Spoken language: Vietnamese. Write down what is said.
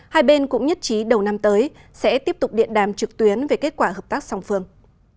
hai bên cũng nhất trí đầu năm tới sẽ tiếp tục điện đàm trực tuyến về kết quả hợp tác song phương